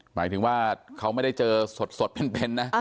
หมายถึงว่าเขาไม่ได้เจอสดเป็นนะ